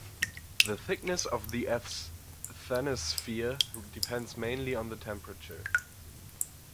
The thickness of the asthenosphere depends mainly on the temperature.